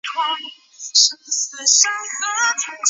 一切重元素由氢与氦通过恒星内部核聚变反应产生。